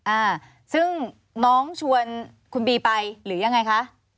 อ่าซึ่งน้องชวนคุณบีไปหรือยังไงคะ